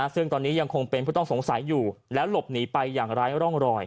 ซึ่งตอนนี้ยังคงเป็นผู้ต้องสงสัยอยู่แล้วหลบหนีไปอย่างไร้ร่องรอย